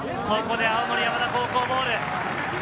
ここで青森山田高校ボール。